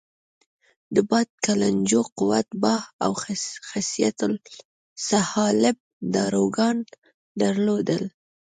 د باد کلنجو، قوت باه او خصیه الصعالب داروګان درلودل.